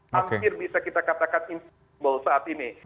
hampir bisa kita katakan instagble saat ini